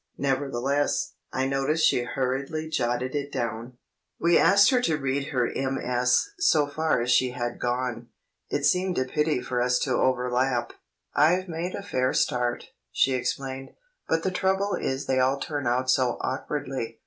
Nevertheless, I noticed she hurriedly jotted it down. We asked her to read her MS. so far as she had gone; it seemed a pity for us to overlap. "I've made a fair start," she explained, "but the trouble is they all turn out so awkwardly.